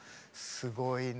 すごいね。